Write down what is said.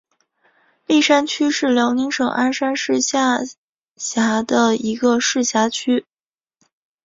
立山区是辽宁省鞍山市下辖的一个市辖区。